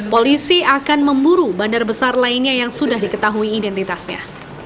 polisi akan memburu bandar besar lainnya yang sudah diketahui identitasnya